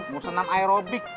mau senam aerobik